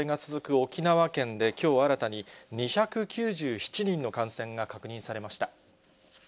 沖縄県できょう、新たに２９７人の感染が確認されました。